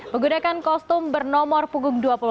menggunakan kostum bernomor punggung dua puluh enam